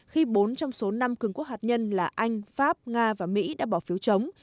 khi bốn trong số năm cường quốc hạt nhân là anh pháp nga và mỹ đã bỏ phiếu chống